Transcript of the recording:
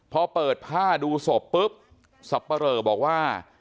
พอเปิดผ้าดูศพปุ๊บสับปะเหลอบอกว่า